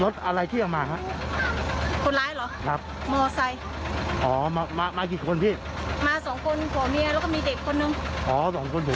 เพราะว่ากลับมาเขายกขึ้นรถแล้ว